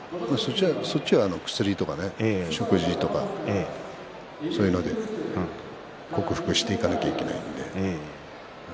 そちらは薬とか食事とかそういうので克服していかなければいけないので。